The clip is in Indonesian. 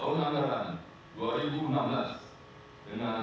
tahun angkatan dua ribu enam belas dengan resmi saya nyatakan